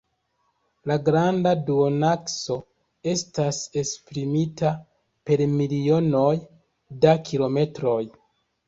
La granda duonakso estas esprimita per milionoj da kilometroj.